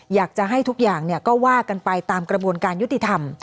อยากจะให้ทุกอย่างก็ว่ากันไปตามกระบวนการยุติธรรม